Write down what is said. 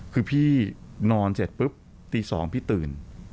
คือพี่นอนเสร็จปุ๊บตี๒พี่ตื่น